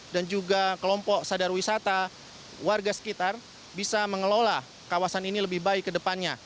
dan juga kelompok sadar wisata warga sekitar bisa mengelola kawasan ini lebih baik ke depannya